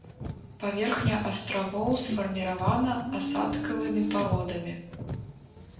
Паверхня астравоў сфарміравана асадкавымі пародамі.